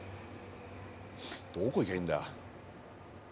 どこ行きゃいいんだ？